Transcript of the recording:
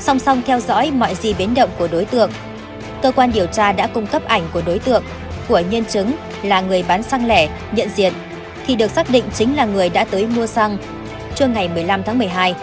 song song theo dõi mọi gì biến động của đối tượng cơ quan điều tra đã cung cấp ảnh của đối tượng của nhân chứng là người bán xăng lẻ nhận diện thì được xác định chính là người đã tới mua xăng chưa ngày một mươi năm tháng một mươi hai